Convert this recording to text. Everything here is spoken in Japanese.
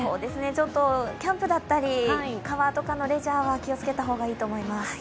ちょっとキャンプだったり川とかのレジャーは気をつけた方がいいと思います。